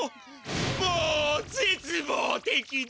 もうぜつぼうてきだ！